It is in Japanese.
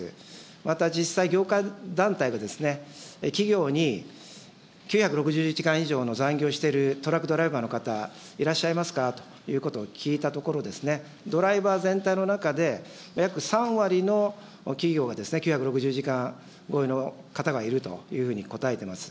また実際、業界団体が企業に以上の残業をしているトラックドライバーの方、いらっしゃいますかということを聞いたところ、ドライバー全体の中で約３割の企業が９６０時間超えの方がいるというように答えています。